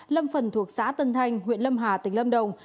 lâm phần thuộc xã tân thanh huyện lâm hà tỉnh lâm đồng